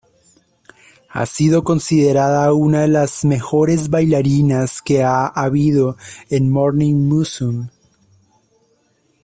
Ha sido considerada una de las mejores bailarinas que ha habido en Morning Musume.